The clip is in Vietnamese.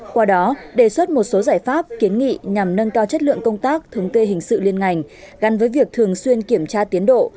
qua đó đề xuất một số giải pháp kiến nghị nhằm nâng cao chất lượng công tác thống kê hình sự liên ngành gắn với việc thường xuyên kiểm tra tiến độ